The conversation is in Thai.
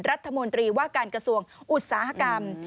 รัฐมนตรีว่าการกระทรวงอุตสาหกรรม